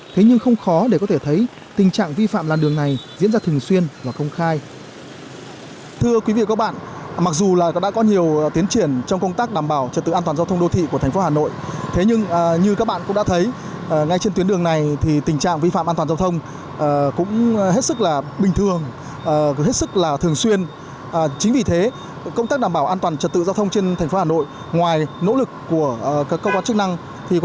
thế nhưng không khó để có thể thấy tình trạng vi phạm làn đường này diễn ra thường xuyên và không khai